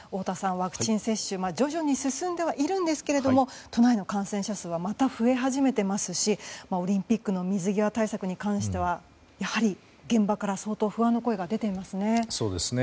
ワクチン接種が徐々に進んではいるんですが都内の感染者数はまた増え始めていますしオリンピックの水際対策に関してはやはり、現場から相当不安の声が出ていますね。